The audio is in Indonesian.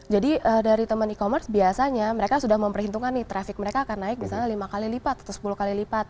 dari teman e commerce biasanya mereka sudah memperhitungkan nih traffic mereka akan naik misalnya lima kali lipat atau sepuluh kali lipat